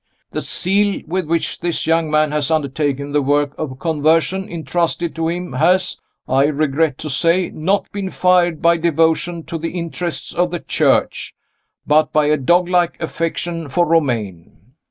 The zeal with which this young man has undertaken the work of conversion intrusted to him has, I regret to say, not been fired by devotion to the interests of the Church, but by a dog like affection for Romayne.